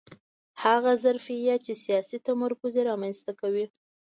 هغه ظرفیت چې سیاسي تمرکز یې رامنځته کوي